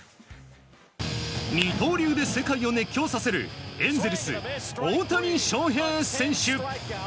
二刀流で世界を熱狂させるエンゼルス、大谷翔平選手。